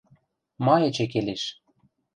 Ма эче келеш?